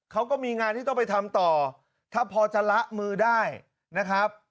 เขาก็มีงานที่ต้องไปทำต่อถ้าพอจะละมือได้นะครับ